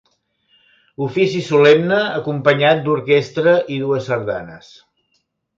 Ofici solemne acompanyat d'orquestra i dues sardanes.